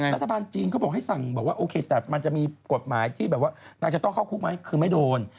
รัฐบาลจีนเขาบอกให้สั่งบอกว่าโอเคแต่มันจะมีกฎหมายที่แบบว่านางจะต้องเข้าคุกไหมคือไม่โดน